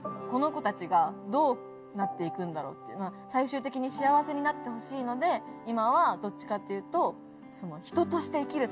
この子たちがどうなって行くんだろうっていうのは最終的に幸せになってほしいので今はどっちかっていうと。